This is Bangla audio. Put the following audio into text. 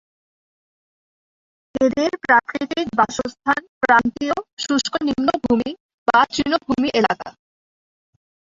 এদের প্রাকৃতিক বাসস্থান ক্রান্তীয়, শুষ্ক নিম্নভূমি বা তৃণভূমি এলাকা।